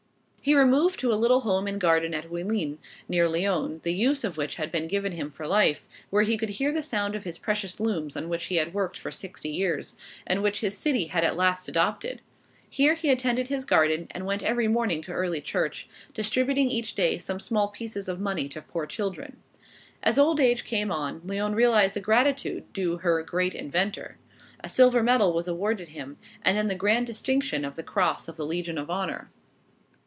He removed to a little home and garden at Oullins, near Lyons, the use of which had been given him for life, where he could hear the sound of his precious looms on which he had worked for sixty years, and which his city had at last adopted. Here he attended his garden, and went every morning to early church, distributing each day some small pieces of money to poor children. As old age came on, Lyons realized the gratitude due her great inventor. A silver medal was awarded him, and then the grand distinction of the cross of the Legion of Honor.